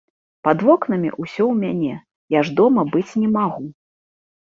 Пад вокнамі ўсё у мяне, я ж дома быць не магу!